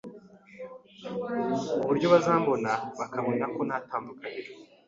Ku buryo bazambona bakabona ko nta tandukaniro